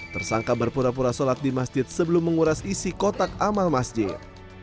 tersangka berpura pura sholat di masjid sebelum menguras isi kotak amal masjid